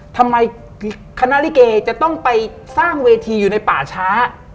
ทำไมคณะลิเกจะต้องไปสร้างเวทีอยู่ในป่าช้า